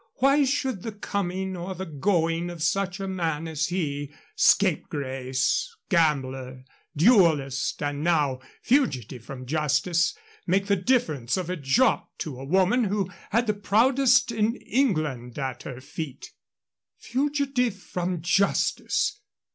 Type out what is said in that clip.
Why should the coming or the going of such a man as he scapegrace, gambler, duelist, and now fugitive from justice make the difference of a jot to a woman who had the proudest in England at her feet? Fugitive from justice!